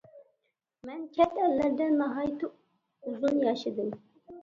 مەن چەت ئەللەردە ناھايىتى ئۇزۇن ياشىدىم.